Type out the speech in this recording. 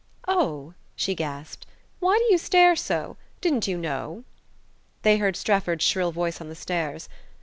"Oh," she gasped, "why do you stare so? Didn't you know...?" They heard Strefford's shrill voice on the stairs.